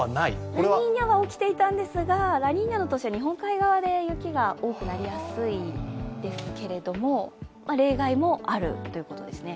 ラニーニャは起きていたんですが、ラニーニャの年は日本海側で雪が多くなりやすいですけれども、例外もあるということですね。